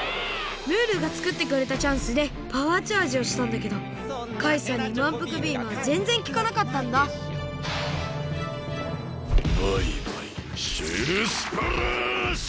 ムールがつくってくれたチャンスでパワーチャージをしたんだけどカイさんにまんぷくビームはぜんぜんきかなかったんだバイバイシェルスプラッシュ！